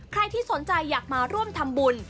ใครที่สนใจอยากมาร่วมทำบุญ